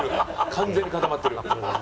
完全に固まってる。